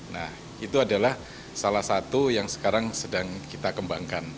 nah itu adalah salah satu yang sekarang sedang kita kembangkan